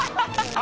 あ！